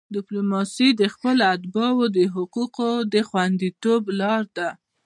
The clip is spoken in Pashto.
ډیپلوماسي د خپلو اتباعو د حقوقو د خوندیتوب لار ده.